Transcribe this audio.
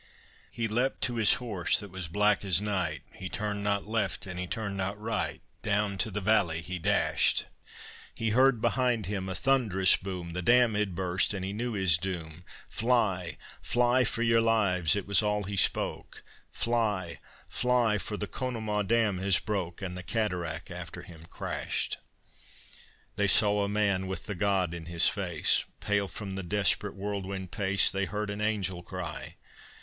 He leapt to his horse that was black as night, He turned not left and he turned not right, Down to the valley he dashed; He heard behind him a thunderous boom, The dam had burst and he knew his doom; "Fly, fly for your lives!" it was all he spoke; "Fly, fly, for the Conemaugh dam has broke!" And the cataract after him crashed. They saw a man with the God in his face, Pale from the desperate whirlwind pace, They heard an angel cry.